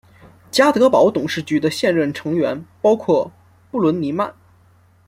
家得宝董事局的现任成员包括布伦尼曼。